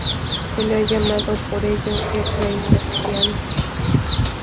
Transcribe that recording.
Se le ha llamado, por ello, el rey berciano.